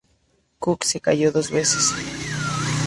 Cook se casó dos veces.